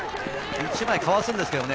１枚、かわすんですけれどね。